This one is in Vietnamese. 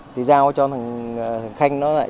thì giao cho thằng khanh nó lại